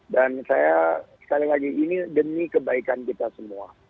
saya sekali lagi ini demi kebaikan kita semua